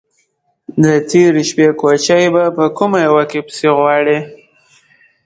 _د تېرې شپې کوچی به په کومه يوه کې پسې غواړې؟